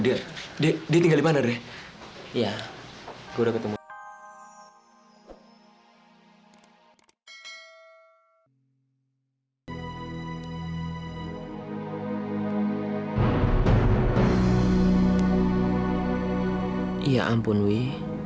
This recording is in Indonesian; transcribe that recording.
iya ampun wi